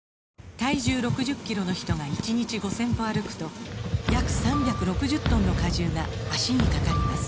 体重６０キロの人が１日５０００歩歩くと約３６０トンの荷重が脚にかかります